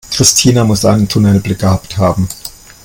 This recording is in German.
Christina muss einen Tunnelblick gehabt haben.